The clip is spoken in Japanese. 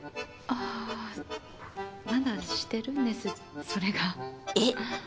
あぁまだしてるんですそれが。え？